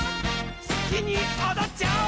すきにおどっちゃおう！